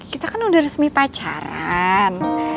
kita kan udah resmi pacaran